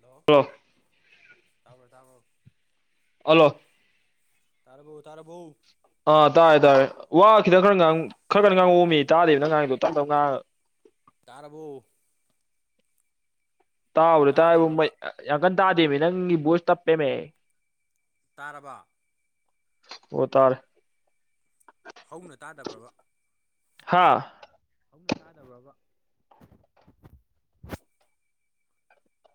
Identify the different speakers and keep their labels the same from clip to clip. Speaker 1: Hello ꯇꯥꯕ꯭ꯔꯣ ꯇꯥꯕ꯭ꯔꯣ꯫
Speaker 2: Hello.
Speaker 1: ꯇꯥꯔꯕꯣ ꯇꯥꯔꯕꯣ꯫
Speaker 2: ꯑꯥ ꯇꯥꯔꯦ ꯇꯥꯔꯦ ꯋꯥ ꯈꯤꯇꯪ ꯀꯟ ꯉꯥꯡ ꯈꯔ ꯀꯥꯟ ꯉꯥꯡꯉꯛ ꯑꯣꯃꯤ ꯇꯥꯗꯦꯕꯅ ꯅꯪ ꯉꯥꯡꯉꯤꯗꯣ ꯇꯝ ꯇꯝ ꯉꯥꯡꯉꯥꯒ꯫
Speaker 1: ꯇꯥꯔꯕꯣ꯫
Speaker 2: ꯇꯥꯎꯕꯗ ꯇꯥꯌꯦꯕ
Speaker 1: ꯇꯥꯗꯕ꯭ꯔꯕ
Speaker 2: ꯌꯥꯝ ꯀꯟ ꯇꯥꯗꯦꯃꯤ ꯅꯪꯒꯤ ꯕꯣꯁ ꯇꯞꯄꯦꯃꯦ꯫
Speaker 1: ꯇꯥꯔꯕꯣ꯫
Speaker 2: ꯑꯣ ꯇꯔꯦ꯫
Speaker 1: ꯍꯧꯅ ꯇꯥꯗꯕ꯭ꯔꯕ
Speaker 2: ꯍꯥ
Speaker 1: ꯍꯧꯅ ꯇꯥꯗꯕ꯭ꯔꯕ꯫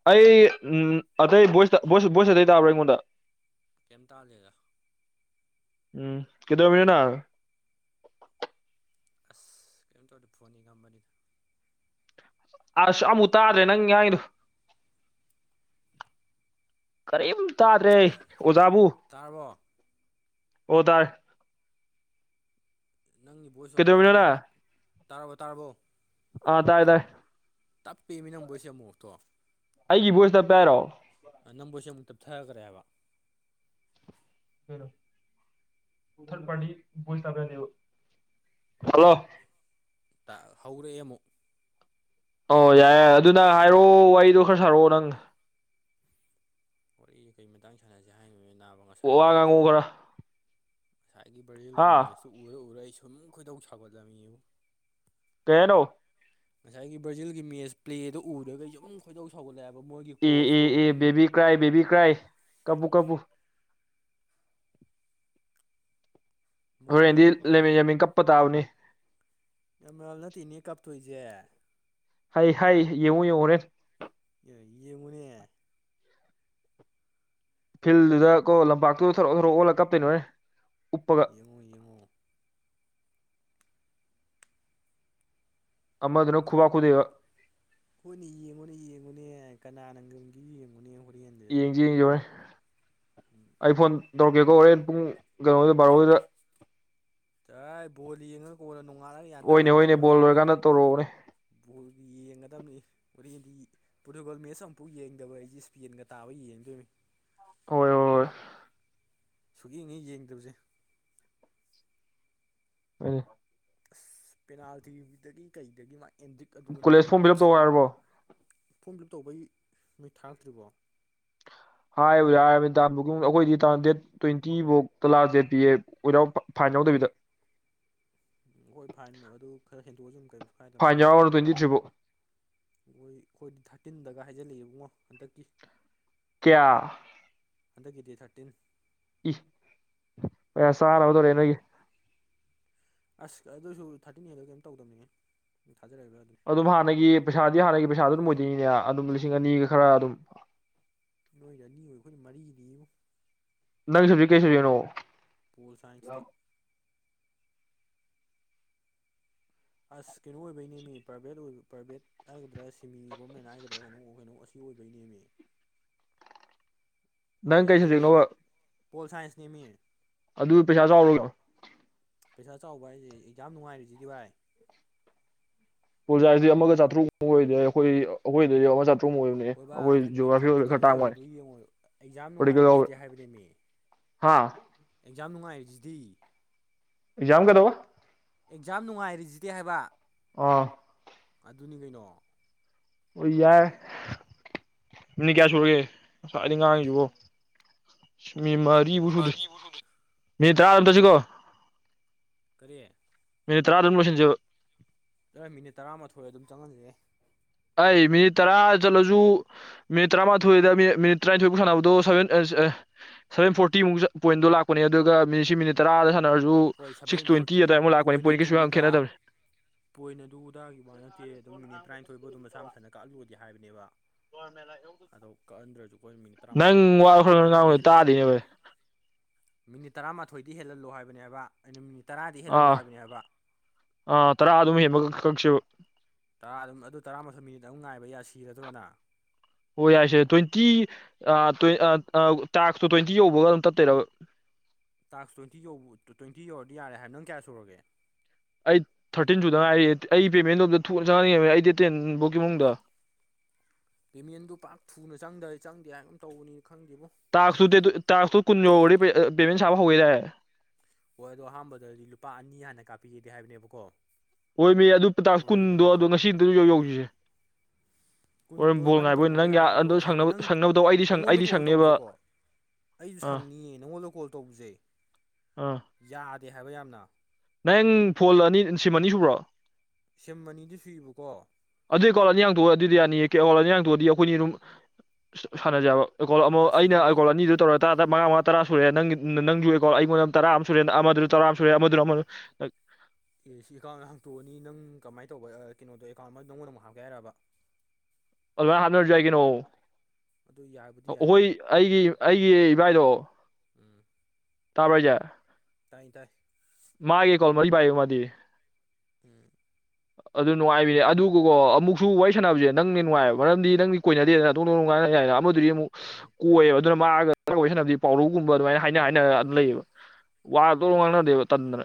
Speaker 2: ꯑꯩ ꯎꯝ ꯑꯇꯩ ꯕꯣꯏꯁ ꯕꯣꯏꯁ ꯑꯇꯩ ꯇꯥꯕ꯭ꯔꯥ ꯑꯩꯉꯣꯟꯗ꯫
Speaker 1: ꯀꯩꯝ ꯇꯥꯗꯦꯗ꯫
Speaker 2: ꯎꯝ ꯀꯗꯔꯃꯤꯅꯣ ꯅꯪ꯫
Speaker 1: ꯑꯁ ꯀꯩꯝ ꯇꯧꯗ ꯐꯣꯟ ꯌꯦꯡꯉꯝꯕꯅꯤꯗ꯫
Speaker 2: ꯑꯁ ꯑꯃꯨꯛ ꯇꯥꯗꯔꯦ ꯅꯪ ꯉꯥꯡꯉꯤꯗꯣ꯫ ꯀꯔꯤꯝ ꯇꯥꯗ꯭ꯔꯦ ꯑꯣꯖꯥꯕꯨ꯫
Speaker 1: ꯇꯥꯔꯕꯣ꯫
Speaker 2: ꯑꯣ ꯇꯔꯦ꯫
Speaker 1: ꯅꯪꯒꯤ ꯚꯣꯏꯁꯁꯨ ꯑꯃꯨꯛ ꯇꯞꯄꯦꯕ ꯇꯥꯔꯕꯣ ꯇꯥꯔꯕꯣ꯫
Speaker 2: ꯑꯥ ꯇꯥꯔꯦ ꯇꯥꯔꯦ꯫
Speaker 1: ꯇꯞꯄꯦ ꯃꯤ ꯅꯪ ꯕꯣꯏꯁꯁꯦ ꯑꯃꯨꯣꯛ ꯃꯣꯛꯇꯣ꯫
Speaker 2: ꯑꯩꯒꯤ ꯚꯣꯏꯁ ꯇꯞꯄꯦ ꯍꯥꯏꯔꯣ꯫
Speaker 1: ꯑ ꯅꯡ ꯕꯣꯏꯁꯁꯦ ꯑꯃꯨꯛ ꯇꯞꯊꯈ꯭ꯔꯦ ꯍꯥꯏꯕ
Speaker 2: ꯊꯤꯔꯗ ꯄꯥꯔꯇꯤ ꯕꯣꯏꯁ ꯇꯥꯕ ꯌꯥꯗꯦꯕ ꯍꯂꯣ [unintelligible]
Speaker 1: ꯇ ꯍꯧꯔꯛꯑꯦ ꯑꯃꯨꯛ
Speaker 2: ꯑꯣ ꯌꯥꯏꯔꯦ ꯑꯗꯨꯅ ꯍꯥꯏꯔꯛꯑꯣ ꯋꯥꯔꯤꯗꯣ ꯈꯔ ꯁꯥꯔꯛꯑꯣ ꯅꯪ
Speaker 1: ꯋꯥꯔꯤ ꯀꯔꯤ ꯃꯇꯥꯡ ꯁꯥꯟꯅꯁꯤ ꯍꯥꯏꯅꯣꯅꯦ ꯅꯥꯕ
Speaker 2: ꯑꯣ ꯋꯥ
Speaker 1: ꯉꯁꯥꯏꯒꯤ
Speaker 2: ꯉꯥꯡꯉꯨ ꯈꯔ
Speaker 1: ꯉꯁꯥꯏꯒꯤ ꯕꯥꯔꯖꯤꯜꯒꯤ
Speaker 2: ꯍꯥ
Speaker 1: ꯃꯦꯠꯁ ꯇꯨ ꯎꯔ ꯎꯔ ꯑꯩ ꯁꯨꯝ ꯈꯣꯏꯗꯧ ꯁꯥꯥꯎꯒꯠꯂꯝꯃꯤꯕꯨ
Speaker 2: ꯀꯩ ꯍꯥꯏ ꯅꯣ
Speaker 1: ꯉꯁꯥꯏꯒꯤ ꯕ꯭ꯔꯥꯖꯤꯜꯒꯤ ꯃꯦꯠꯁ ꯄ꯭ꯂꯦꯗꯣ ꯎꯔꯒ ꯌꯨꯝ ꯈꯣꯏꯗꯧ ꯁꯧꯒꯠꯂꯛꯑꯦꯕ ꯃꯣꯏꯒꯤ
Speaker 2: ꯑꯦ ꯑꯦ
Speaker 1: ꯀꯣꯁꯇꯣ
Speaker 2: ꯑꯦ ꯕꯦꯕꯤ ꯀ꯭ꯔꯥꯏ ꯕꯦꯕꯤ ꯀ꯭ꯔꯥꯏ ꯀꯞꯄꯨ ꯀꯞꯄꯨ
Speaker 1: ꯃꯣꯏꯒꯤ
Speaker 2: ꯍꯣꯔꯦꯟꯗꯤ ꯂꯃꯤꯟ ꯌꯥꯃꯤꯡ ꯀꯞꯄ ꯇꯥꯕꯅꯤ
Speaker 1: ꯌꯥꯃꯜ ꯅꯠꯇꯦꯅꯦ ꯀꯥꯞꯇꯣꯏꯁꯦ
Speaker 2: ꯍꯥꯏ ꯍꯥꯏ ꯌꯦꯡꯉꯨ ꯌꯦꯡꯉꯨ ꯍꯨꯔꯦꯟ
Speaker 1: ꯑꯦ ꯌꯦꯡꯉꯨꯅꯦ
Speaker 2: ꯐꯤꯜꯗꯨꯗ ꯀꯣ ꯂꯝꯄꯥꯛꯇꯨ ꯊꯔꯣ ꯊꯥꯔꯣ ꯑꯣꯜꯂ ꯀꯞꯇꯣꯏ ꯅꯦ ꯍꯧꯔꯦꯟ ꯎꯞꯄ
Speaker 1: ꯌꯦꯉꯣ ꯌꯦꯉꯣ
Speaker 2: ꯑꯃꯗꯨꯅ ꯈꯨꯕꯥꯛ ꯈꯨꯗꯣꯏꯕ
Speaker 1: ꯍꯣꯏꯅꯦ ꯌꯦꯡꯉꯨꯅꯦ ꯌꯦꯡꯉꯨꯅꯦ ꯀꯅꯥ ꯉꯝꯒꯤ ꯌꯦꯡꯉꯨꯅꯦ ꯍꯣꯔꯦꯟꯁꯦ
Speaker 2: ꯌꯦꯡꯖꯤ ꯌꯦꯡꯖꯤ ꯍꯣꯔꯦꯟ
Speaker 1: ꯎꯝ [unintelligible]
Speaker 2: ꯑꯩ ꯐꯣꯟ ꯇꯧꯔꯛꯀꯦꯀꯣ ꯍꯣꯔꯦꯟ ꯄꯨꯡ ꯀꯩꯅꯣꯗ ꯕꯥꯔꯣꯒꯤꯗ
Speaker 1: ꯇꯥꯏ ꯕꯣꯜ ꯌꯦꯡꯉꯒ ꯀꯣꯟꯅ ꯅꯣꯡꯉꯥꯜꯂꯒ ꯒ꯭ꯌꯥꯟ ꯇꯥꯅ
Speaker 2: ꯍꯣꯏꯅꯦ ꯍꯣꯏꯅꯦ ꯕꯣꯜ
Speaker 1: ꯇꯧꯅꯒꯗꯝꯃꯤ
Speaker 2: ꯂꯣꯏꯔꯀꯥꯟꯗ ꯇꯧꯔꯛꯑꯣꯅꯦ
Speaker 1: ꯕꯣꯜꯒꯤ ꯌꯦꯡꯒꯗꯕꯅꯤ ꯍꯣꯔꯦꯟꯗꯤ ꯐꯨꯠꯕꯣꯜ ꯃꯦꯠꯆ ꯑꯃꯨꯐꯥꯎ ꯌꯦꯡꯗꯕ ꯑꯩꯁꯦ ꯏꯁꯄꯦꯟꯒ ꯇꯥꯕ ꯌꯦꯡꯗꯣꯏꯅꯤ
Speaker 2: ꯍꯣꯏ ꯍꯣꯏ ꯍꯣꯏ
Speaker 1: ꯁꯨꯛ ꯌꯦꯡꯉꯤ ꯌꯦꯡꯗꯕꯁꯦ
Speaker 2: ꯍꯣꯏꯅꯦ
Speaker 1: ꯑꯁ ꯄꯦꯅꯥꯜꯇꯤꯗꯒꯤ ꯀꯩꯗꯒꯤ ꯃꯥꯏ
Speaker 2: ꯀꯣꯂꯦꯖ ꯐꯣꯝ ꯐꯤꯑꯞ ꯇꯧ ꯍꯥꯏꯔꯕꯣ
Speaker 1: ꯐꯣꯝ ꯐꯤꯜꯞ ꯇꯧꯕꯩ ꯅꯣꯏ ꯊꯥꯇ꯭ꯔꯤꯕꯣ
Speaker 2: ꯍꯥꯏꯕꯨꯗꯤ ꯍꯥꯏꯔꯕꯃꯤꯅꯤ ꯇꯛ ꯑꯩꯈꯣꯏꯗꯤ ꯇꯝ ꯗꯦꯠ ꯇ꯭ꯋꯦꯟꯇꯤꯐꯧ ꯂꯥꯛꯁ ꯗꯦꯠ ꯄꯤ ꯑꯦ ꯐꯥꯏꯟ ꯌꯥꯎꯗꯕꯤꯗ
Speaker 1: ꯍꯣꯏ ꯐꯥꯏꯟ ꯑꯗꯨ ꯈꯔ ꯍꯦꯟꯗꯣꯛꯑꯁꯨꯨꯝ ꯀꯔꯤꯝ ꯁꯨ ꯈꯥꯏꯗꯕꯃꯤ
Speaker 2: ꯐꯥꯏꯟ
Speaker 1: ꯃꯣꯏꯗꯤ
Speaker 2: ꯌꯥꯎꯔꯒꯅ ꯇ꯭ꯋꯦꯟꯇꯤ ꯊ꯭ꯔꯤꯕꯧ
Speaker 1: ꯃꯣꯏ ꯑꯩꯈꯣꯏꯗꯤ ꯊꯥꯔꯇꯤꯟꯗꯒ ꯍꯥꯏꯖꯤꯜꯂꯛꯑꯦ ꯏꯕꯉꯣ ꯍꯟꯗꯛꯀꯤ
Speaker 2: ꯀꯌꯥ
Speaker 1: ꯍꯟꯗꯛꯀꯤ ꯗꯤꯠ ꯊꯥꯔꯇꯤꯟ
Speaker 2: ꯏ ꯍ ꯁꯅꯕ ꯇꯧꯔꯦ ꯅꯣꯏꯒꯤ [unintelligible]
Speaker 1: ꯑꯁ ꯑꯗꯨꯁꯨ ꯊꯥꯔꯇꯤꯟ ꯍꯦꯟꯂ ꯀꯩꯝ ꯇꯧꯗꯕꯅꯤ ꯍꯦ ꯊꯥꯖꯔꯛꯏꯕ ꯑꯗꯨꯅꯤ
Speaker 2: ꯑꯗꯨꯝ ꯍꯥꯟꯅꯒꯤ ꯄꯩꯁꯥꯗꯤ ꯍꯥꯟꯅꯒꯤ ꯄꯩꯁꯥꯗꯨ ꯑꯗꯨꯝ ꯑꯣꯏꯗꯣꯏꯅꯤꯅꯦ ꯑꯗꯨꯝ ꯂꯤꯁꯤꯡ ꯑꯅꯤꯒ ꯈꯔ ꯑꯗꯨꯝ
Speaker 1: ꯅꯣꯏꯗ ꯑꯅꯤ ꯑꯣꯏ ꯑꯩꯈꯣꯏꯅ ꯃꯔꯤꯅꯤ ꯏꯕꯨꯡꯉꯣ
Speaker 2: ꯅꯪ ꯁꯖꯦꯛ ꯀꯩ ꯁꯖꯤꯛꯅꯣ
Speaker 1: ꯄꯣꯜ ꯁꯥꯏꯟꯁꯇ ꯑꯁ ꯀꯩꯅꯣ ꯑꯣꯏꯕꯩꯅꯦꯃꯤ ꯄ꯭ꯔꯥꯏꯚꯦꯠ ꯑꯣꯏꯕ ꯄ꯭ꯔꯥꯏꯚꯦꯠ ꯍꯥꯏꯒꯗ꯭ꯔꯥ ꯁꯤꯃꯤ ꯒꯣꯔꯃꯦꯟ ꯍꯥꯏꯒꯗ꯭ꯔꯥ ꯀꯩꯅꯣ ꯀꯩꯅꯣ ꯑꯁꯤ ꯑꯣꯏꯕꯒꯤꯅꯦꯝꯃꯤ ꯑꯗꯣ
Speaker 2: ꯅꯪ ꯀꯩ
Speaker 1: ꯁꯤꯗ ꯍꯧꯁꯤꯛ ꯑꯩꯁꯦ
Speaker 2: ꯁꯕꯖꯦꯛꯅꯣꯕ
Speaker 1: ꯄꯣꯜ ꯁꯥꯏꯟꯁꯅꯦ ꯃꯤ [unintelligible]
Speaker 2: ꯑꯗꯨ ꯄꯩꯁꯥ ꯆꯥꯎꯔꯣꯏ
Speaker 1: ꯄꯩꯁꯥ ꯆꯥꯎꯕ ꯍꯥꯏꯁꯦ ꯑꯦꯛꯖꯥꯝ ꯅꯨꯡꯉꯥꯏꯔꯤꯁꯤꯗꯤ ꯚꯥꯏ
Speaker 2: ꯄ꯭ꯔꯣꯖꯥꯒꯤꯗꯤ ꯑꯃ ꯆꯥꯇ꯭ꯔꯨꯛ ꯃꯨꯛ ꯑꯣꯏꯗꯥꯏ ꯑꯩꯈꯣꯏ ꯑꯩꯈꯣꯏꯗꯗꯤ ꯑꯃ ꯆꯥ ꯇ꯭ꯔꯨꯛ ꯑꯣꯏꯕꯅꯦ
Speaker 1: ꯍꯣꯏ ꯕꯥ
Speaker 2: ꯑꯦ ꯖꯣꯒ꯭ꯔꯥꯐꯤ ꯑꯣꯏꯕꯩ
Speaker 1: ꯀꯩꯅꯣ
Speaker 2: ꯈꯔ ꯇꯥꯡꯕꯩꯋꯅꯦ
Speaker 1: ꯇꯧꯔꯤꯗꯨ ꯌꯦꯡꯉꯣ ꯑꯦꯛꯖꯥꯝ
Speaker 2: ꯄ꯭ꯔꯥꯛꯇꯤꯀꯦꯜ
Speaker 1: ꯅꯨꯡꯉꯥꯏꯔꯤꯁꯤꯗꯤ
Speaker 2: ꯌꯥꯎꯕꯩ
Speaker 1: ꯍꯥꯏꯕꯅꯦꯃꯤ
Speaker 2: ꯍꯥꯥ
Speaker 1: ꯑꯦꯛꯖꯥꯝ ꯅꯨꯡꯉꯥꯏꯔꯤꯁꯤꯗꯤ
Speaker 2: ꯑꯦꯛꯖꯥꯝ ꯀꯩꯗꯧꯕ
Speaker 1: ꯑꯦꯛꯖꯥꯝ ꯅꯨꯡꯉꯥꯏꯔꯤꯁꯤꯗꯤ ꯍꯥꯏꯕ
Speaker 2: ꯑꯥ
Speaker 1: ꯑꯗꯨꯅꯤ ꯀꯩꯅꯣ
Speaker 2: ꯍꯣꯏ ꯌꯥꯏ ꯃꯤꯅꯤꯠ ꯀꯌꯥ ꯁꯨꯔꯒꯦ ꯉꯁꯥꯏꯗꯩ ꯉꯥꯡꯉꯤꯁꯤꯕꯨ
Speaker 1: ꯃꯤꯅꯤꯠ ꯃꯔꯤꯐꯧ ꯁꯨꯗ꯭ꯔꯤ
Speaker 2: ꯃꯤꯅꯤꯠ ꯇꯔꯥ ꯑꯗꯨꯝ ꯆꯠꯁꯤꯀꯣ
Speaker 1: ꯃꯤꯅꯤꯠ ꯀꯔꯤ
Speaker 2: ꯃꯤꯅꯤꯠ ꯇꯔꯥꯗ ꯑꯗꯨꯝ ꯂꯣꯏꯁꯤꯟꯁꯦꯕ
Speaker 1: ꯆꯥꯍꯣꯏ ꯃꯤꯅꯤꯠ ꯇꯔꯥꯃꯥꯊꯣꯏ ꯑꯗꯨꯝ ꯆꯪꯍꯟꯁꯦꯍꯦ
Speaker 2: ꯍꯥꯏ ꯃꯤꯅꯤꯠ ꯇꯔꯥ ꯆꯠꯂꯁꯨ ꯃꯤꯅꯤꯠ ꯇꯔꯥꯃꯊꯣꯏꯗ ꯃꯤꯅꯤꯠ ꯃꯤꯅꯤꯠ ꯇꯔꯥꯅꯤꯊꯣꯏꯐꯧ ꯁꯥꯟꯅꯕꯗꯣ ꯁꯥꯕꯦꯟ ꯑꯁ ꯑꯦ ꯁꯥꯚꯦꯟ ꯐꯣꯔꯇꯤꯃꯨꯛ ꯁꯥ ꯄꯣꯏꯟꯗꯣ ꯂꯥꯛꯄꯅꯦ ꯑꯗꯨꯒ ꯃꯤꯅꯤꯠꯁꯤ ꯃꯤꯅꯤꯠ ꯇꯔꯥꯗ ꯁꯥ ꯅꯔꯁꯨ
Speaker 1: ꯍꯣꯏ
Speaker 2: ꯁꯤꯛꯁ
Speaker 1: ꯁꯚꯦꯟ ꯐꯣꯔꯇꯤ
Speaker 2: ꯇ꯭ꯋꯦꯟꯇꯤ ꯑꯗꯥꯏ ꯃꯨꯛ ꯂꯥꯛꯄꯅꯦ ꯄꯣꯏꯟ ꯀꯩꯁꯨ ꯌꯥꯝ
Speaker 1: ꯑꯗꯨꯗ
Speaker 2: ꯈꯦꯠꯅꯗꯕꯅꯦ
Speaker 1: ꯄꯣꯏꯟ ꯑꯗꯨꯗꯥꯒꯤ ꯋꯥ ꯅꯠꯇꯤꯌꯦ ꯑꯗꯨꯝ ꯃꯤꯅꯤꯠ ꯇꯔꯥꯅꯤꯊꯣꯏꯐꯧ ꯑꯗꯨꯝ ꯃꯁꯥ ꯃꯊꯟꯇ ꯀꯛꯍꯜꯂꯨꯗꯤ ꯍꯥꯏꯕꯅꯦꯕ ꯑꯗꯣ ꯀꯛꯍꯟꯗ꯭ꯔꯁꯨ ꯑꯈꯣꯏ ꯃꯤꯅꯤꯠ ꯇꯔꯥꯃꯥꯊꯣꯏ
Speaker 2: ꯅꯪ ꯋꯥ
Speaker 1: ꯑꯗꯨꯃꯥꯏꯅ
Speaker 2: ꯈꯔ
Speaker 1: ꯃꯤꯅꯤꯠ
Speaker 2: ꯈꯔ
Speaker 1: ꯇꯔꯥꯗꯤ
Speaker 2: ꯉꯥꯡꯕꯗꯣ
Speaker 1: ꯍꯦꯜꯂꯜꯂꯣ
Speaker 2: ꯇꯥꯗꯦꯅꯦ
Speaker 1: ꯍꯥꯏꯕꯅꯦꯕ
Speaker 2: ꯚꯥꯏ
Speaker 1: ꯃꯤꯅꯤꯠ ꯇꯔꯥꯃꯥꯊꯣꯏꯗꯤ ꯍꯦꯜꯍꯜꯂꯣ ꯍꯥꯏꯕꯅꯦ ꯍꯥꯏꯕ ꯑꯩꯅ ꯃꯤꯅꯤꯠ ꯇꯔꯥꯗꯤ ꯍꯦꯜꯍꯜꯂꯨ
Speaker 2: ꯑꯥ
Speaker 1: ꯍꯥꯏꯕꯅꯦ ꯍꯥꯏꯕ [inaudible]
Speaker 2: ꯑꯥ ꯇꯔꯥ ꯑꯗꯨꯝ ꯍꯦꯟꯕ ꯀꯛ- ꯀꯛꯁꯦꯕ
Speaker 1: ꯇꯔꯥ ꯑꯗꯨꯝ ꯑꯗꯣ ꯇꯔꯥꯃꯊꯣꯏ ꯃꯤꯅꯤꯠ ꯑꯃꯨꯛ ꯉꯥꯏꯕ ꯌꯥ ꯁꯤꯔꯗ꯭ꯔꯣ ꯅꯥ
Speaker 2: ꯍꯣꯏ ꯌꯥꯏꯁꯦ ꯇ꯭ꯋꯦꯟꯇꯤ ꯑꯥ ꯇ꯭ꯋꯦꯟ ꯑꯥ ꯑꯥ ꯇꯥꯛꯇꯣ ꯇ꯭ꯋꯦꯟꯇꯤ ꯌꯧꯕꯒ ꯑꯗꯨꯝ ꯇꯠꯇꯣꯏꯔꯕ
Speaker 1: ꯇꯥꯛꯁ ꯇ꯭ꯋꯦꯟꯇꯤ ꯌꯧ ꯇ꯭ꯋꯦꯟꯇꯤ ꯌꯧꯔꯗꯤ ꯌꯥꯔꯦ ꯍꯥꯏꯕ ꯅꯪ ꯀꯌꯥ ꯁꯨꯔꯒꯦ
Speaker 2: ꯑꯩ ꯊꯥꯔꯇꯤꯟ ꯁꯨꯗ ꯉꯥꯏꯔꯤꯌꯦ ꯑꯩꯒꯤ ꯄꯦꯃꯦꯟꯗꯣ ꯑꯝꯇꯥ ꯊꯨꯅ ꯆꯪꯍꯟꯅꯤꯡꯉꯦꯃꯦ ꯑꯩ ꯗꯦꯠ ꯇꯦꯟꯐꯧꯀꯤꯃꯨꯡꯗ
Speaker 1: ꯄꯦꯃꯦꯟꯗꯨ ꯄꯥꯛ ꯊꯨꯅ ꯆꯪꯗꯥ ꯆꯪꯗꯦ ꯍꯥꯏꯒꯨꯝ ꯇꯧꯕꯅꯤ ꯈꯪꯗꯦꯕꯣ
Speaker 2: ꯇꯥꯛꯁꯇꯨ ꯗꯦꯠꯇꯨ ꯇꯥꯛꯁꯇꯨ ꯀꯨꯟ ꯌꯧꯔꯗꯤ ꯄꯦꯃꯦꯟ ꯁꯥꯕ ꯍꯧꯋꯦꯗꯥꯏ
Speaker 1: ꯍꯣꯏ ꯑꯗꯨ ꯑꯍꯥꯟꯕꯗꯗꯤ ꯂꯨꯄꯥ ꯑꯅꯤ ꯍꯥꯟꯅ ꯀꯥꯞꯄꯛꯑꯦꯗꯤ ꯍꯥꯏꯕꯅꯦꯕꯀꯣ
Speaker 2: ꯍꯣꯏꯃꯦ ꯑꯗꯨ ꯇꯥꯛꯁ
Speaker 1: ꯑꯩꯈꯣꯏ
Speaker 2: ꯀꯨꯟꯗꯣ
Speaker 1: ꯅꯪ
Speaker 2: ꯑꯗꯣ
Speaker 1: ꯑꯦꯀꯥꯎꯟ
Speaker 2: ꯉꯁꯤ ꯑꯝꯇꯥ ꯌꯧ ꯌꯧꯁꯤꯁꯦ ꯍꯣꯔꯦꯟ
Speaker 1: ꯀꯨꯟꯗꯣ
Speaker 2: ꯕꯣꯜ
Speaker 1: ꯏꯕꯥꯅꯤ
Speaker 2: ꯉꯥꯏꯕ ꯑꯣꯏꯅ
Speaker 1: ꯇꯧꯅꯕ
Speaker 2: ꯅꯪ ꯌꯥ
Speaker 1: ꯌꯥꯒꯤꯗ꯭ꯔꯣ
Speaker 2: ꯑꯗꯣ
Speaker 1: ꯈꯪꯗꯦ
Speaker 2: ꯁꯪꯅꯕ
Speaker 1: ꯅꯪ
Speaker 2: ꯁꯪꯅꯕꯗꯧ ꯑꯩꯗꯤ ꯁꯪ
Speaker 1: ꯅꯪꯉꯣꯟꯗ
Speaker 2: ꯑꯩꯗꯤ
Speaker 1: ꯀꯣꯜ
Speaker 2: ꯁꯪꯅꯦꯕ
Speaker 1: ꯇꯧꯕꯁꯦꯀꯣ ꯑꯩꯁꯨ
Speaker 2: ꯑꯥ
Speaker 1: ꯁꯪꯅꯤꯌꯦ ꯅꯪꯉꯣꯟꯗ ꯀꯣꯜ ꯇꯧꯕꯁꯦ
Speaker 2: ꯑꯥ
Speaker 1: ꯌꯥꯗꯦ ꯍꯥꯏꯕ ꯌꯥꯝꯅ
Speaker 2: ꯅꯪ ꯐꯣꯜ ꯑꯅꯤ ꯁꯤꯝ ꯑꯅꯤ ꯁꯨꯕ꯭ꯔꯣ
Speaker 1: ꯁꯤꯝ ꯑꯅꯤꯗꯤ ꯁꯨꯏꯕꯀꯣ
Speaker 2: ꯑꯗꯨꯏ ꯑꯦꯀꯥꯎꯟ ꯑꯅꯤ ꯍꯥꯡꯗꯣꯛꯑꯣ ꯑꯗꯨꯏꯗꯤ ꯌꯥꯅꯤꯌꯦ ꯀꯦ [unintelligible] ꯑꯅꯤ ꯍꯥꯡꯇꯣꯛꯑꯗꯤ ꯑꯩꯈꯣꯏꯅꯤ ꯑꯗꯨꯝ ꯁꯥꯟꯅꯖꯦꯕ ꯑꯦꯀꯥꯎꯟ ꯑꯃꯨꯛ
Speaker 1: ꯑꯁ
Speaker 2: ꯑꯩꯅ
Speaker 1: ꯑꯦꯀꯥꯎꯟꯅꯤ
Speaker 2: ꯑꯦꯀꯥꯋꯜ ꯑꯅꯤꯗꯨ ꯇꯧꯔꯛ ꯇꯔꯥ ꯇꯔꯥ ꯃꯉꯥ ꯃꯉꯥ ꯇꯔꯥ ꯁꯨꯔꯦ ꯅꯪꯒꯤ ꯅꯅꯪꯖꯨ ꯑꯦꯀꯥꯎꯟ ꯑꯩꯉꯣꯟꯗ ꯇꯔꯥ ꯑꯃ ꯁꯨꯔꯦ ꯑꯃꯗꯨꯅ ꯇꯔꯥ ꯑꯃꯨꯛ ꯁꯨꯔꯦ ꯑꯃꯗꯨꯅ ꯑꯃ [unintelligible]
Speaker 1: ꯑꯦ ꯁꯤ ꯑꯦꯀꯥꯎꯟ ꯍꯥꯡꯇꯣꯛꯑꯅꯤ ꯅꯪ ꯀꯃꯥꯏ ꯇꯧꯕ ꯀꯩꯅꯣꯗꯣ ꯑꯦꯀꯥꯎꯟ ꯑꯃ ꯅꯉꯣꯟꯗ ꯑꯃꯨꯛ ꯍꯥꯞꯀꯦ ꯍꯥꯏꯔꯕ
Speaker 2: ꯑꯗꯨꯃꯥꯏꯅ ꯍꯥꯞꯅꯔꯨꯁꯨ ꯀꯩꯅꯣ
Speaker 1: ꯑꯗꯨ ꯌꯥꯕꯨꯗꯤ ꯌꯥꯏꯌꯦ
Speaker 2: ꯑꯩꯈꯣꯏ ꯑꯩꯒꯤ ꯑꯩꯒꯤ ꯏꯕꯥꯏꯗꯣ
Speaker 1: ꯎꯝ
Speaker 2: ꯇꯥꯕ꯭ꯔꯥ ꯍꯥꯏꯖꯦ
Speaker 1: ꯇꯥꯏ ꯇꯥꯏ
Speaker 2: ꯃꯥꯒꯤ ꯑꯦꯀꯥꯎꯟ ꯃꯔꯤ ꯄꯥꯏꯌꯦ ꯃꯥꯗꯤ
Speaker 1: ꯎꯝ
Speaker 2: ꯑꯗꯨ ꯅꯨꯡꯉꯥꯏꯕꯤ꯭ꯅꯦ ꯑꯗꯨꯒꯀꯣ ꯑꯃꯨꯛꯁꯨ ꯋꯥꯔꯤ ꯁꯥꯟꯅꯕꯁꯦ ꯅꯪꯅꯥ ꯍꯦꯟꯅ ꯅꯨꯡꯉꯥꯏꯕ ꯃꯔꯝꯗꯤ ꯅꯪꯗꯤ ꯀꯣꯏꯅꯗꯦꯗꯅ ꯗꯣꯡ ꯗꯣꯡ ꯗꯣꯡ ꯉꯥꯡꯅ ꯌꯥꯏꯅ ꯑꯃꯗꯨꯗꯤ ꯑꯃꯨꯛ
Speaker 1: ꯎꯝ
Speaker 2: ꯀꯣꯏꯌꯦꯕ ꯑꯗꯨꯅ ꯃꯥꯒ ꯋꯥꯔꯤ ꯁꯥꯟꯅꯕꯗꯤ ꯄꯥꯎꯔꯧꯒꯨꯝꯕ ꯑꯗꯨꯃꯥꯏꯅ ꯍꯥꯏꯅ ꯍꯥꯏꯅ ꯑꯗꯨꯝ ꯂꯩꯌꯦꯕ ꯋꯥ ꯗꯣꯡ ꯗꯣꯡ ꯉꯥꯡꯅꯗꯦꯕ ꯇꯟꯗꯅ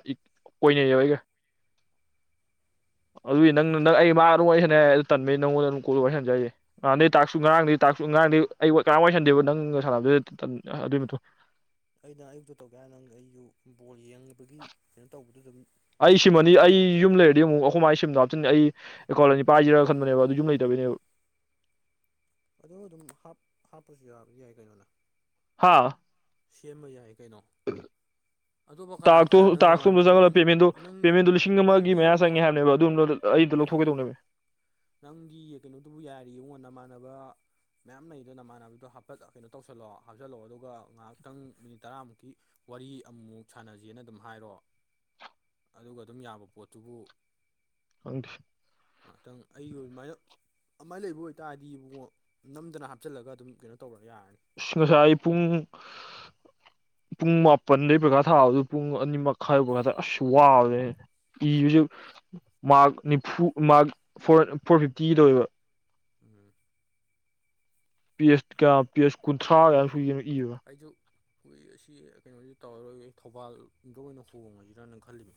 Speaker 2: ꯀꯣꯏꯅꯩꯌꯦꯕ ꯑꯩꯒ ꯑꯗꯨꯏ ꯅꯪꯅ ꯅꯪ ꯑꯩ ꯃꯥ ꯑꯗꯨ ꯋꯔꯤ ꯁꯥꯟꯅꯩ ꯑꯗꯨ ꯇꯟꯕꯩ ꯅꯪꯉꯣꯟꯗ ꯀꯣꯜ ꯋꯥꯔꯤ ꯁꯥꯟꯅꯖꯦ ꯍꯥꯏꯖꯦ ꯉꯥꯟꯗꯦ ꯇꯥꯛꯁꯨ ꯉꯔꯥꯡꯗꯤ ꯇꯥꯛꯁꯨ ꯉꯔꯥꯡꯗꯤ ꯑꯩ ꯀꯔꯝ ꯋꯥ ꯑꯣꯏꯁꯟꯗꯦꯕ ꯅꯪꯒ ꯁꯥꯟꯅꯕꯗꯨꯗ ꯑꯗꯨꯒꯤ ꯃꯇꯨꯡ
Speaker 1: ꯑꯩꯅ ꯑꯌꯨꯛꯇꯨ ꯇꯧꯒꯦ ꯍꯥꯏꯟꯅ ꯅꯪ ꯑꯩꯁꯨ ꯕꯣꯜ ꯌꯦꯡꯉꯤꯕꯒꯤ ꯀꯩꯅꯣ ꯇꯧꯕꯗꯨ ꯑꯗꯨꯝ
Speaker 2: ꯑꯩ
Speaker 1: ꯀꯩꯅꯣ
Speaker 2: ꯁꯤꯃꯅꯤ
Speaker 1: ꯇꯧꯗꯅ
Speaker 2: ꯑꯩ
Speaker 1: ꯇꯧꯔꯛꯇ꯭ꯔꯦ
Speaker 2: ꯌꯨꯝ ꯂꯩ ꯑꯗꯨ ꯑꯃꯨꯛ ꯑꯩꯈꯣꯏ ꯃꯥꯏ ꯁꯤꯝꯗ ꯍꯥꯞꯇꯤꯟꯅꯤ ꯑꯩ ꯑꯦꯀꯥꯎꯟ ꯑꯅꯤ ꯄꯥꯏꯁꯤꯔꯒ ꯈꯟꯕꯅꯦꯕ ꯑꯗꯨ ꯌꯨꯝ ꯂꯩꯇꯕꯩꯅꯦꯕ
Speaker 1: ꯑꯗꯣ ꯑꯗꯨꯝ ꯍꯥꯞꯄꯁꯨ ꯌꯥꯕ ꯌꯥꯏ ꯀꯩꯅꯣꯅ
Speaker 2: ꯍꯥꯥ
Speaker 1: ꯁꯦꯝꯕ ꯌꯥꯏ ꯀꯩꯅꯣ
Speaker 2: [unintelligible]
Speaker 1: [inaudible] ꯀꯅꯥ
Speaker 2: ꯇꯇꯣ
Speaker 1: ꯀꯅꯥ ꯅꯪ ꯅꯃꯥ
Speaker 2: ꯇꯥꯛꯇꯣꯝꯗ ꯆꯪꯍꯂ
Speaker 1: ꯅꯪ
Speaker 2: ꯄꯦꯃꯦꯟꯗꯣ
Speaker 1: ꯅꯪ
Speaker 2: ꯄꯦꯃꯦꯟꯗꯣ ꯂꯤꯁꯤꯡ ꯑꯃꯒꯤ
Speaker 1: ꯅꯪꯗꯤ
Speaker 2: ꯃꯌꯥ ꯆꯪꯉꯦ
Speaker 1: ꯏꯕꯨꯡꯉꯣ
Speaker 2: ꯍꯥꯏꯕꯅꯦꯕ ꯑꯗꯨꯝ ꯕꯗ ꯑꯩꯗꯣ ꯂꯧꯊꯣꯛꯀꯦ ꯇꯧꯕꯅꯦꯃꯤ
Speaker 1: ꯅꯪꯒꯤ ꯀꯩꯅꯣꯗꯨꯕꯨ ꯌꯥꯔꯤꯉꯣ ꯅꯃꯥꯟꯅꯕ ꯃꯌꯥꯝ ꯂꯩꯗꯣ ꯅꯃꯥꯟꯅꯕꯗꯣ ꯍꯥꯄꯦꯠ ꯀꯩꯅꯣ ꯇꯧꯁꯜꯂꯣ ꯍꯥꯞꯆꯤꯜꯂꯛꯑꯣ ꯑꯗꯨꯒ ꯉꯥꯏꯍꯥꯛꯇꯪ ꯃꯤꯅꯤꯠ ꯇꯔꯥꯃꯨꯛꯀꯤ ꯋꯥꯔꯤ ꯑꯃꯃꯨꯛ ꯁꯥꯟꯅꯖꯦꯅ ꯑꯗꯨꯝ ꯍꯥꯏꯔꯣ ꯑꯗꯨꯒ ꯑꯗꯨꯝ ꯌꯥꯕ ꯄꯣꯠꯇꯨꯕꯨ
Speaker 2: ꯈꯪꯗꯦ
Speaker 1: ꯉꯥꯏꯍꯛꯇꯪ ꯑꯩ ꯑꯗꯨꯃꯥꯏꯅ ꯑꯗꯨꯃꯥꯏꯅ ꯂꯩꯕ ꯑꯣꯏꯇꯥꯔꯗꯤ ꯏꯕꯣ ꯅꯝꯗꯅ ꯍꯥꯞꯆꯤꯜꯂꯒ ꯑꯗꯨꯝ ꯀꯩꯅꯣ ꯇꯧꯔ ꯌꯥꯔꯅꯤ
Speaker 2: ꯑ ꯉꯁꯥꯏ ꯄꯨꯡ ꯄꯨꯡ ꯃꯥꯄꯟꯗꯩ ꯄꯔꯤꯈꯌꯥ ꯊꯥꯕꯗ ꯄꯨꯡ ꯑꯅꯤ ꯑꯥꯕꯗ ꯑꯁꯨ ꯋꯔꯦ ꯏꯕꯁꯨ ꯃꯥꯔꯛ ꯅꯤꯐꯨ ꯃꯥꯔꯛ ꯐꯣꯔ ꯐꯣꯔ ꯐꯤꯞꯇꯤꯒꯤꯗꯧꯋꯦꯕ
Speaker 1: ꯎꯝ
Speaker 2: ꯄꯦꯁ ꯀꯌꯥ ꯄꯦꯁ ꯀꯨꯟꯊ꯭ꯔꯥ ꯀꯌꯥꯅꯣ ꯑꯃ ꯏꯕ
Speaker 1: ꯑꯩꯁꯨ ꯀꯨꯏꯔꯦ ꯑꯁꯤ ꯀꯩꯅꯣꯗꯤ ꯇꯧꯔꯔꯣꯏ ꯊꯧꯕꯥꯜꯗ ꯑꯣꯏꯅ ꯍꯣꯡꯉꯁꯤꯔ ꯅ ꯈꯜꯂꯤꯕ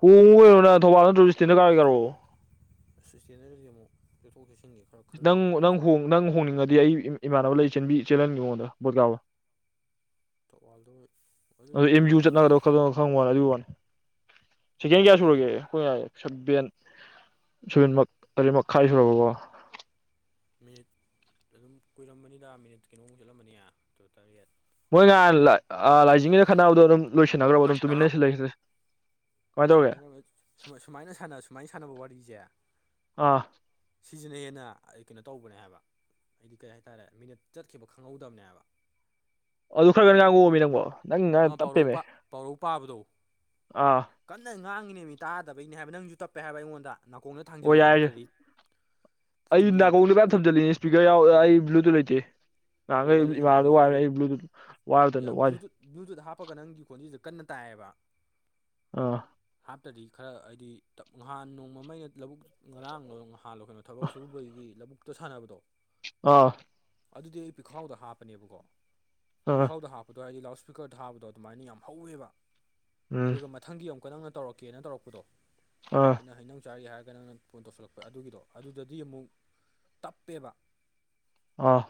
Speaker 2: ꯍꯣꯉꯨ ꯀꯩꯅꯣ ꯅꯪ ꯊꯧꯕꯥꯜꯅ ꯇꯨꯔꯤꯁꯇꯗ ꯀꯥꯔꯛꯑꯣ
Speaker 1: ꯁꯇꯦꯟꯗꯔꯗꯗꯤ ꯑꯃꯨꯛ ꯆꯠꯊꯣꯛ ꯆꯠꯁꯤꯟꯒꯦ ꯈꯔ ꯈꯜꯂꯒ
Speaker 2: ꯅꯪ
Speaker 1: ꯌꯥꯏ
Speaker 2: ꯅꯪ
Speaker 1: ꯅꯠꯇ꯭ꯔꯗꯤ
Speaker 2: ꯅꯪ ꯍꯣꯡꯅꯤꯡꯉꯗꯤ ꯑꯩ ꯏꯃꯥꯟꯅꯕ ꯂꯩ ꯆ ꯆꯦꯜꯍꯟꯒ ꯃꯉꯣꯟꯗ ꯕꯣꯠꯀꯥꯕ
Speaker 1: ꯇꯧꯕꯥꯜꯗꯣ
Speaker 2: ꯑꯗꯣ ꯑꯦꯝ ꯌ ꯌꯨ ꯆꯠꯅꯒꯗꯕ ꯈꯔꯥꯈꯛ ꯈꯪꯕ ꯋꯥꯅꯤ ꯑꯗꯨꯒꯤ ꯋꯥꯅꯤ ꯁꯦꯀꯦꯟ ꯀꯌꯥ
Speaker 1: ꯀꯔꯤ
Speaker 2: ꯁꯨꯔꯒꯦ ꯑꯩꯈꯣꯏ ꯁꯕꯦꯟ ꯁꯕꯦꯟꯃꯛ ꯇꯥꯔꯦꯠꯃꯈꯥꯏ ꯁꯨꯔꯕꯀꯣ
Speaker 1: ꯃꯤꯅꯤꯠ ꯑꯗꯨꯝ ꯀꯨꯏꯔꯝꯃꯥꯅꯤꯗ ꯃꯤꯅꯤꯠ ꯀꯩꯅꯣꯝꯃꯨꯛ ꯆꯠꯂꯝꯃꯥꯅꯤꯗ ꯑꯗꯨ ꯇꯔꯦꯠ
Speaker 2: ꯃꯣꯏ ꯅꯥꯍꯥꯟ ꯂꯥꯏꯖꯤꯡꯒꯤꯗ ꯈꯠꯅꯕꯗ ꯑꯗꯨꯝ ꯂꯣꯏꯁꯤꯟꯅꯈ꯭ꯔꯕ ꯑꯗꯨꯝ ꯇꯨꯃꯤꯟꯅꯁꯤ ꯂꯩ
Speaker 1: ꯂꯩꯁꯟꯅ ꯁꯨꯃꯥꯏꯅ ꯁꯥꯟꯅ ꯁꯨꯃꯥꯏꯅ ꯁꯥꯟꯅꯕ ꯋꯥꯔꯤꯁꯦ
Speaker 2: ꯑꯥ
Speaker 1: ꯁꯤꯁꯤꯅ ꯍꯦꯟꯅ ꯑꯩ ꯀꯩꯅꯣ ꯇꯧꯕꯅꯦ ꯍꯥꯏꯕ ꯑꯩꯗꯤ ꯀꯩ ꯍꯥꯏꯇꯥꯔꯦ ꯃꯤꯅꯠ ꯆꯠꯈꯤꯕ ꯈꯪꯍꯧꯗꯕꯅꯦꯕ
Speaker 2: ꯑꯗꯨ ꯈꯔ ꯈꯔ ꯀꯟ ꯀꯟꯅꯥ ꯉꯥꯡꯑꯣꯅꯪꯕꯣ ꯅꯪ ꯉꯔ
Speaker 1: ꯑꯃ ꯄꯥꯎꯔꯧ
Speaker 2: ꯇꯞꯄꯦꯃꯦ
Speaker 1: ꯄꯥꯎꯔꯧ ꯄꯥꯕꯗꯣ
Speaker 2: ꯑꯥ
Speaker 1: ꯀꯟꯅ ꯉꯥꯡꯉꯤꯅꯦ ꯃꯤ ꯇꯥꯗꯕꯩꯅꯤ ꯍꯥꯏꯕ ꯅꯪꯁꯨ ꯇꯞꯄꯦ ꯍꯥꯏꯕ ꯑꯩꯉꯣꯟꯗ ꯅꯥꯀꯣꯡꯗ
Speaker 2: ꯑꯣ
Speaker 1: ꯊꯥꯡꯖꯜꯂꯛꯑꯣ
Speaker 2: ꯌꯥꯏꯔꯦ
Speaker 1: ꯅꯠꯇ꯭ꯔꯗꯤ
Speaker 2: ꯑꯩ
Speaker 1: ꯆꯨꯝꯅꯩ
Speaker 2: ꯅꯥꯒꯣꯡꯗꯨ ꯀꯥꯏ
Speaker 1: ꯀꯣꯜ
Speaker 2: ꯊꯝꯖꯤꯜꯂꯤꯅꯤꯅꯦ ꯏꯁꯄꯤꯀꯔ ꯌꯥꯎ ꯑꯩ ꯕ꯭ꯂꯨꯇꯨꯠ ꯂꯩꯇꯦ ꯅꯍꯥꯟ
Speaker 1: ꯀꯣꯜ
Speaker 2: ꯒꯥꯏ ꯑꯩ
Speaker 1: ꯋꯥꯔꯤ
Speaker 2: ꯏꯃꯥꯅꯕꯗꯩꯩ
Speaker 1: ꯁꯥꯟꯅꯕꯒꯤ
Speaker 2: ꯋꯥꯏꯕꯅꯦ
Speaker 1: ꯑꯗꯨ
Speaker 2: ꯑꯩ ꯕ꯭ꯂꯨꯇꯨꯠ ꯋꯥꯏꯕ
Speaker 1: ꯏꯌꯥ
Speaker 2: ꯇꯟꯗꯅ ꯋꯥꯏꯗꯦ
Speaker 1: ꯕ꯭ꯂꯨꯇꯨꯠ ꯕ꯭ꯂꯨꯇꯨꯠ ꯍꯥꯞꯄꯒ ꯅꯪꯒꯤ ꯈꯣꯟꯖꯑꯦꯜꯗꯨ ꯀꯟꯅ ꯇꯥꯏꯌꯦꯕ
Speaker 2: ꯑꯥ
Speaker 1: ꯍꯥꯞꯇꯗꯤ ꯈꯔ ꯍꯥꯏꯗꯤꯞ ꯅꯍꯥꯟ ꯅꯣꯡꯃꯥꯑꯃꯥ ꯂꯧꯕꯨꯛ ꯉꯔꯥꯡ ꯂꯧꯔ ꯉꯥꯏꯍꯥꯛ ꯍꯥꯜꯂꯣ ꯀꯩꯅꯣ ꯊꯕꯛ ꯁꯨꯕꯒꯤ ꯂꯧꯕꯨꯛꯇ ꯁꯥꯟꯅꯕꯗꯣ
Speaker 2: ꯑꯥ
Speaker 1: ꯑꯗꯨꯗꯤ ꯑꯩ ꯄꯤꯈꯥꯎꯗ ꯍꯥꯞꯄꯅꯦꯕꯀꯣ
Speaker 2: ꯑꯥ
Speaker 1: ꯄꯤꯈꯥꯎꯗ ꯍꯥꯞꯄ ꯑꯗꯣ ꯍꯥꯏꯗꯤ ꯂꯥꯎꯗ ꯁ꯭ꯄꯤꯀꯔ ꯊꯥꯕꯗꯣ ꯑꯗꯨꯃꯥꯏꯅ ꯌꯥꯝ ꯍꯧꯋꯦꯕ
Speaker 2: ꯎꯝ
Speaker 1: ꯑꯗꯨꯒ ꯃꯊꯪꯒꯤ ꯑꯃꯨꯛ ꯀꯗꯪꯅꯧꯔꯛꯀꯦꯅ ꯇꯧꯔꯛꯄꯗꯣ
Speaker 2: ꯑꯥ
Speaker 1: ꯑꯩꯅ ꯍꯩꯅꯧ ꯆꯥꯔꯤ ꯍꯥꯏꯔꯒꯅ ꯅꯪꯅ ꯐꯣꯟ ꯇꯧꯁꯤꯜꯂꯛꯄ ꯑꯗꯨꯒꯤꯗꯣ ꯑꯗꯨꯗꯗꯤ ꯑꯃꯨꯛ ꯇꯞꯄꯦꯕ
Speaker 2: ꯑꯥ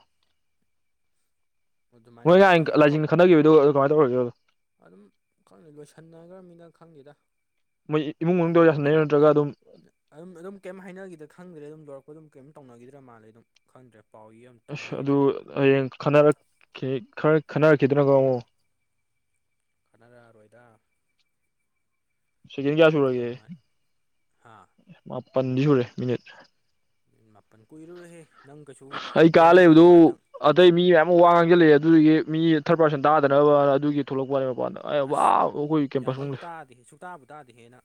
Speaker 2: ꯃꯣꯏ
Speaker 1: ꯑꯗꯨꯃꯥꯏꯅ
Speaker 2: ꯅꯍꯥꯟ
Speaker 1: ꯑꯗꯨꯃꯥꯏꯅ ꯍꯧ
Speaker 2: ꯂꯥꯏꯖꯤꯡꯗ ꯈꯠꯅꯈꯤꯕꯗꯣ ꯑꯗꯨ ꯀꯃꯥꯏꯅ ꯇꯧꯔꯒꯦꯕ
Speaker 1: ꯑꯗꯨꯝ ꯈꯪꯗꯦ ꯂꯣꯏꯁꯟꯅꯈ꯭ꯔꯝꯅꯤꯅ ꯈꯪꯗꯦꯗ
Speaker 2: ꯃꯣꯏ
Speaker 1: ꯌꯥꯝ
Speaker 2: ꯏꯃꯨꯡ ꯃꯅꯨꯡꯗꯣ
Speaker 1: ꯌꯥꯝꯃꯤ
Speaker 2: ꯌꯥꯁꯟꯅꯩꯔꯣ ꯅꯠꯇ꯭ꯔꯒ ꯑꯗꯨꯝ
Speaker 1: ꯑꯗꯨꯝ ꯑꯗꯨꯝ ꯀꯩꯝ ꯍꯥꯏꯅꯈꯤꯗ ꯈꯪꯗ꯭ꯔꯦ ꯑꯗꯨꯝ ꯌꯧꯔꯛꯄꯒ ꯑꯗꯨꯝ ꯀꯩꯝ ꯇꯧꯅꯈꯤꯗ꯭ꯔꯕ ꯃꯥꯜꯂꯦ ꯑꯗꯨꯝ ꯈꯪꯗ꯭ꯔꯦ ꯄꯥꯎ [unintelligible]
Speaker 2: ꯑꯁ ꯑꯗꯨ ꯍꯌꯦꯡ ꯈꯟꯅꯔꯛꯈꯤ ꯈꯔ ꯈꯟꯅꯔꯛꯈꯤꯗꯅꯀꯣ ꯑꯃꯨꯛ
Speaker 1: ꯈꯠꯅꯔꯛꯑꯔꯣꯏꯗ
Speaker 2: ꯁꯦꯒꯦꯟ ꯀꯌꯥ
Speaker 1: ꯀꯩꯝ
Speaker 2: ꯁꯨꯔꯒꯦ
Speaker 1: ꯇꯧꯅꯤꯡꯉꯥꯏ ꯍꯥ
Speaker 2: ꯃꯥꯄꯟꯗꯤ ꯁꯨꯔꯦ ꯃꯤꯅꯤꯠ
Speaker 1: ꯃꯤꯅꯤꯠ ꯃꯥꯄꯟ ꯀꯨꯏꯔꯔꯣꯏꯍꯦ ꯅꯪ ꯀꯩꯁꯨ
Speaker 2: ꯑꯩ ꯀꯥ
Speaker 1: ꯋꯥꯔꯤ
Speaker 2: ꯂꯩꯕꯗꯨ
Speaker 1: ꯉꯥꯛꯇꯪ
Speaker 2: ꯑꯇꯩ ꯃꯤ ꯃꯌꯥꯝ ꯑꯃ ꯋꯥ ꯉꯥꯡꯖꯤꯜꯂꯛꯑꯦ ꯑꯗꯨꯗꯨꯒꯤ ꯃꯤ ꯊꯔꯠ ꯄꯔꯁꯟ ꯇꯥꯗꯅꯕꯅ ꯑꯗꯨꯒꯤ ꯊꯣꯂꯛꯄ ꯋꯥꯅꯦ ꯃꯄꯥꯟꯗ ꯑꯩ
Speaker 1: ꯑꯁ
Speaker 2: ꯑꯋꯥ [unintelligible]
Speaker 1: ꯌꯥꯝ ꯄꯪ
Speaker 2: ꯀꯦꯝꯄꯁꯃꯅꯨꯡ ꯂꯩ
Speaker 1: ꯇꯥꯗꯦꯍꯦ ꯁꯨꯛꯇꯥꯕꯨ ꯇꯥꯗꯦꯍꯦ ꯅꯪ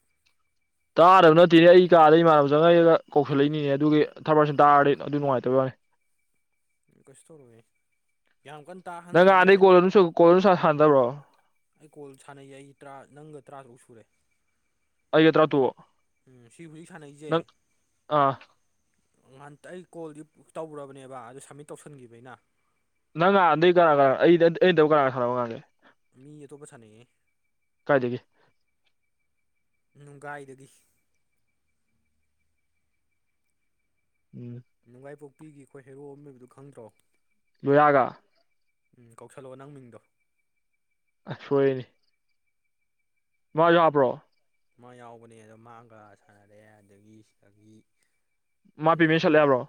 Speaker 2: ꯇꯥꯗꯕ ꯅꯠꯇꯤꯅꯦ ꯑꯩ ꯀꯥꯗ ꯏꯃꯥꯟꯅꯕ ꯆꯪꯉꯛꯑꯒ ꯀꯧꯁꯤꯜꯂꯛꯏꯅꯤꯅꯦ ꯑꯗꯨꯒꯤ ꯊꯔꯠ ꯄꯥꯔꯁꯟ ꯇꯥꯔꯗꯤ ꯑꯗꯨꯏ ꯅꯨꯡꯉꯥꯏꯇꯕꯩ ꯋꯥꯅꯦ
Speaker 1: ꯀꯩꯁ ꯇꯧꯔꯣꯏꯌꯦ ꯌꯥꯝ ꯀꯟ
Speaker 2: ꯅꯪ ꯅꯍꯥꯟꯗꯩ ꯀꯣꯜ [unintelligible] ꯀꯣꯜ ꯁꯨꯁꯥꯟ ꯁꯥꯟꯅꯗꯕ꯭ꯔꯣ
Speaker 1: ꯑꯩ ꯀꯣꯜ ꯁꯥꯟꯅꯩꯌꯦ ꯑꯩ ꯇ꯭ꯔꯥ ꯅꯪꯒ ꯇ꯭ꯔꯥ ꯇꯔꯨꯛ ꯁꯨꯔꯦ
Speaker 2: ꯑꯩꯒ ꯇꯔꯥꯇꯔꯨꯛ
Speaker 1: ꯎꯝ ꯁꯤ ꯍꯨꯖꯤꯛ ꯁꯥꯅꯩꯁꯦ
Speaker 2: ꯅꯪ ꯑꯥ
Speaker 1: ꯉꯥꯟꯇ ꯑꯩ ꯀꯣꯜꯗꯤ ꯇꯧꯒ꯭ꯔꯕꯅꯦꯕ ꯑꯗꯨ ꯁꯝꯃꯤꯠ ꯇꯧꯁꯟꯈꯤꯕ ꯑꯩꯅ
Speaker 2: ꯅꯪ ꯅꯍꯥꯟꯗꯩ ꯀꯅꯥ ꯀꯅꯥ ꯑꯩ ꯑꯩ ꯅꯠꯇꯕ ꯀꯅꯥꯒ ꯁꯥꯟꯅꯕ ꯅꯍꯥꯟꯒꯩ
Speaker 1: ꯃꯤ ꯑꯇꯣꯞꯄ ꯁꯥꯟꯅꯩꯌꯦ
Speaker 2: ꯀꯥꯏꯗꯒꯤ
Speaker 1: ꯅꯨꯡꯒꯥꯏꯗꯒꯤ
Speaker 2: ꯎꯝ
Speaker 1: ꯅꯨꯡꯉꯥꯏꯄꯣꯛꯄꯤꯒꯤ ꯈꯣꯏ ꯍꯦꯔꯣ ꯑꯃ ꯂꯩꯕꯗꯨ ꯈꯪꯗ꯭ꯔꯣ
Speaker 2: ꯂꯣꯌꯥꯒ
Speaker 1: ꯎꯝ ꯀꯧꯁꯜꯂꯛꯑꯣ ꯅꯪ ꯃꯤꯡꯗꯣ
Speaker 2: ꯑ ꯁꯣꯏꯔꯦꯅꯦ ꯃꯥꯁꯨ ꯍꯥꯞꯄ꯭ꯔꯣ
Speaker 1: ꯃꯥ ꯌꯥꯎꯕꯅꯦ ꯑꯗꯣ ꯃꯥꯒ ꯁꯥꯟꯅꯔꯦ ꯑꯗꯒꯤ ꯁꯤꯗꯒꯤ
Speaker 2: ꯃꯥ ꯄꯦꯃꯦꯟ ꯁꯠꯂꯦ
Speaker 1: ꯀꯩꯅꯣꯒꯤ
Speaker 2: ꯍꯥꯏꯕ꯭ꯔꯣ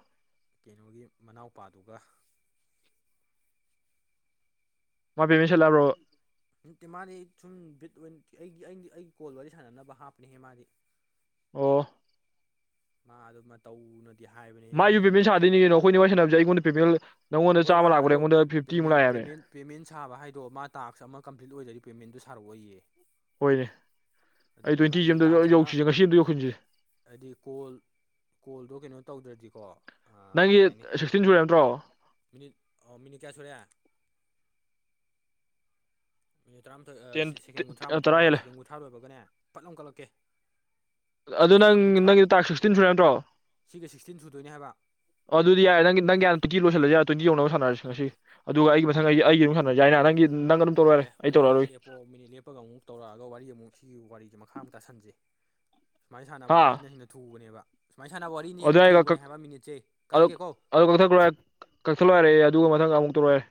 Speaker 1: ꯀꯩꯅꯣꯒꯤ ꯃꯅꯥꯎꯄꯥꯗꯨꯒ
Speaker 2: ꯃꯥ ꯄꯦꯃꯦꯟ ꯁꯦꯠꯂꯥꯕ꯭ꯔꯣ
Speaker 1: ꯅꯠꯇꯦ ꯃꯥꯗꯤ ꯁꯨꯝ ꯕꯤꯠ ꯑꯣꯏ ꯑꯩꯒꯤ ꯑꯩ ꯑꯩ ꯀꯣꯜ ꯋꯥꯔꯤ ꯁꯥꯟꯅꯅꯕ ꯍꯥꯞꯄꯅꯦꯍꯦ ꯃꯥꯗꯤ
Speaker 2: ꯑꯣ
Speaker 1: ꯃꯥ ꯗꯣ ꯃꯇꯧꯅ ꯗꯤ ꯍꯥꯏꯕꯅꯦ
Speaker 2: ꯃꯥꯏꯁꯨ
Speaker 1: ꯑꯩꯅꯗꯤ
Speaker 2: ꯄꯦꯃꯦꯟ
Speaker 1: ꯑꯗꯣ
Speaker 2: ꯁꯥꯗꯣꯏꯅꯤ
Speaker 1: ꯈꯪꯗꯦ
Speaker 2: ꯀꯩꯅꯣ ꯑꯩꯈꯣꯏꯅꯤ ꯋꯥꯔꯤ ꯁꯥꯟꯅꯕꯁꯦ ꯑꯩꯉꯣꯟꯗ ꯄꯦꯃꯦꯟ ꯅꯪꯉꯣꯟꯗ
Speaker 1: ꯍꯣꯏ
Speaker 2: ꯆꯥꯝꯃ
Speaker 1: ꯕꯥ
Speaker 2: ꯂꯥꯛꯄꯅꯦ
Speaker 1: ꯑꯗꯣ
Speaker 2: ꯑꯩꯉꯣꯟꯗ ꯐꯤꯐꯇꯤꯃꯨꯛ
Speaker 1: ꯄꯦꯃꯦꯟ
Speaker 2: ꯂꯥꯛꯑꯦ ꯍꯥꯏꯕꯅꯦ
Speaker 1: ꯄꯦꯃꯦꯟ ꯄꯦꯃꯦꯟ ꯁꯥꯕ ꯍꯥꯏꯗꯣ ꯃꯥ ꯇꯥꯛꯁ ꯑꯃ ꯀꯝꯄ꯭ꯂꯤꯠ ꯂꯣꯏꯗ꯭ꯔꯗꯤ ꯄꯦꯃꯦꯟꯗꯣ ꯁꯥꯔꯛ ꯑꯣꯏꯌꯦ
Speaker 2: ꯍꯣꯏꯅꯦ ꯑꯩ ꯇ꯭ꯋꯦꯟꯇꯤꯁꯦ
Speaker 1: ꯑꯩꯗꯤ
Speaker 2: ꯑꯝꯇ
Speaker 1: ꯇꯥꯛꯁ ꯑꯃ
Speaker 2: ꯌꯧꯁꯤꯁꯦ ꯉꯁꯤ ꯑꯝꯇ ꯌꯧꯁꯤꯟꯁꯦ
Speaker 1: ꯍꯥꯏꯗꯤ ꯀꯣꯜ ꯀꯣꯜꯗꯣ ꯀꯩꯅꯣ ꯇꯧꯗ꯭ꯔꯗꯤꯀꯣ
Speaker 2: ꯅꯪꯒꯤ
Speaker 1: ꯀꯩ ꯍꯥꯏꯅꯤ
Speaker 2: ꯁꯤꯛꯁꯇꯤꯟ ꯁꯨꯔꯦ ꯍꯥꯏꯕ ꯅꯠꯇ꯭ꯔꯣ
Speaker 1: ꯃꯤꯅꯤꯠ ꯑ ꯃꯤꯅꯤꯠ ꯀꯌꯥ ꯁꯨꯔꯦ ꯃꯤꯅꯤꯠ ꯇꯔꯥꯝꯊꯣꯏ ꯑ
Speaker 2: ꯇꯦꯟ
Speaker 1: ꯁꯦ ꯁꯦꯀꯦꯟ ꯀꯨꯟꯊ꯭ꯔꯥꯃꯨꯛꯇꯪ
Speaker 2: ꯇꯔꯥ
Speaker 1: ꯉꯥꯏꯔꯦ
Speaker 2: ꯍꯦꯜꯂꯦ
Speaker 1: ꯁꯦꯀꯦꯟ ꯀꯨꯟꯊ꯭ꯔꯥ ꯂꯣꯏꯕꯒꯅꯦ ꯐꯠ ꯂꯥꯎꯟ ꯀꯠꯂꯛꯀꯦ
Speaker 2: ꯑꯗꯨ ꯅꯪ
Speaker 1: ꯁꯦꯀꯦꯟ ꯀꯨꯟꯊ꯭ꯔꯥ
Speaker 2: ꯅꯪꯒꯤꯗꯣ ꯇꯥꯛꯁ ꯁꯤꯛꯁ꯭ꯇꯤꯟ ꯁꯨꯔꯦ ꯍꯥꯏꯕ ꯅꯠꯇ꯭ꯔꯣ
Speaker 1: ꯁꯤꯒ ꯁꯤꯛꯁꯇꯤꯟ ꯁꯨꯗꯣꯏꯅꯦ ꯍꯥꯏꯕ
Speaker 2: ꯑꯣ ꯑꯗꯨꯗꯤ ꯌꯥꯔꯦ ꯅꯪꯒꯤ ꯅꯪꯒꯤ ꯍꯥꯟꯅ ꯇ꯭ꯋꯦꯟꯇꯤ ꯂꯣꯏꯁꯜꯂꯁꯦ ꯌꯥꯔꯦ ꯇ꯭ꯋꯦꯟꯇꯤ ꯌꯧꯅꯕ ꯁꯥꯟꯅꯔꯁꯦ ꯉꯁꯤꯒꯤ ꯑꯗꯨꯒ ꯑꯩꯒꯤ ꯃꯊꯪ
Speaker 1: ꯎꯝ
Speaker 2: ꯑꯩꯒꯤ ꯑꯩꯒꯤ ꯑꯃꯨꯛ ꯁꯥꯟꯅꯔꯁꯦ ꯌꯥꯏꯅ ꯅꯪꯒꯤ ꯅꯪ ꯑꯗꯨꯝ ꯇꯧꯔꯛꯑꯣ ꯌꯥꯔꯦ ꯑꯩ ꯇꯧꯔꯛꯑꯔꯣꯏ
Speaker 1: ꯑꯣ ꯃꯤꯅꯤꯠ ꯂꯦꯞꯄꯒ ꯑꯃꯨꯛ ꯇꯧꯔꯛꯑꯒ ꯋꯥꯔꯤ ꯑꯃꯨꯛ ꯁꯤꯒꯤ ꯋꯥꯔꯤꯖꯦ ꯃꯈꯥ ꯑꯃꯨꯛ ꯇꯥꯁꯟꯖꯤ ꯁꯨꯃꯥꯏ ꯁꯥꯟꯅꯕ
Speaker 2: ꯍꯥ
Speaker 1: ꯋꯥꯔꯤꯅ ꯍꯦꯡꯅ ꯊꯨꯕꯅꯦꯕ ꯁꯨꯃꯥꯏ ꯁꯥꯟꯅꯕ ꯋꯥꯔꯤꯅ
Speaker 2: ꯑꯗꯨ
Speaker 1: ꯍꯦꯟꯅ
Speaker 2: ꯌꯥꯏ
Speaker 1: ꯊꯨꯕꯅꯦ
Speaker 2: ꯑꯗꯨ
Speaker 1: ꯍꯥꯏꯕ ꯃꯤꯅꯤꯠꯁꯦ ꯀꯛꯑꯒꯦꯀꯣ
Speaker 2: ꯑꯗꯨ ꯀꯛꯊꯠꯈ꯭ꯔꯣ ꯌꯥꯔꯦ ꯀꯛꯊꯠꯂꯣ ꯌꯥꯔꯦ ꯑꯗꯨ ꯃꯊꯪ ꯑꯃꯨꯛ ꯇꯧꯔꯛꯑꯣ ꯌꯥꯔꯦ